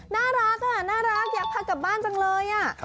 น่ารักอ่ะน่ารักอยากพากลับบ้านจังเลย